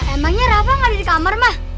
emangnya rafa gak ada di kamar mah